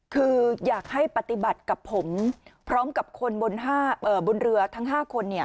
คืออยากให้ปฏิบัติกับผมพร้อมกับคนบนห้าเอ่อบนเรือทั้งห้าคนเนี่ย